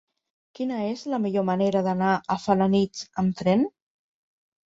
Quina és la millor manera d'anar a Felanitx amb tren?